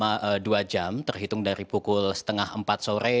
selama dua jam terhitung dari pukul setengah empat sore